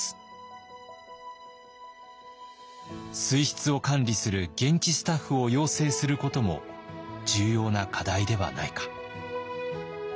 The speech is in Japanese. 水質を管理する現地スタッフを養成することも重要な課題ではないか。